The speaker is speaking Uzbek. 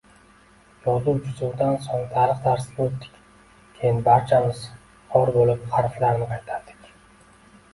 Yozuvchizuvdan so`ng tarix darsiga o`tdik; keyin barchamiz xor bo`lib, harflarni qaytardik